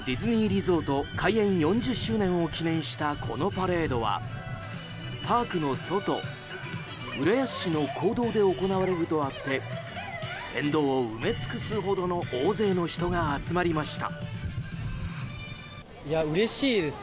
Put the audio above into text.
リゾート開園４０周年を記念したこのパレードは、パークの外浦安市の公道で行われるとあって沿道を埋め尽くすほどの大勢の人が集まりました。